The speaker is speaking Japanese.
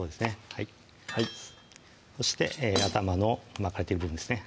はいはいそして頭の巻かれてる部分ですね